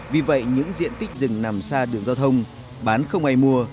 vì vậy những diện tích rừng nằm xa đường giao thông bán không ai mua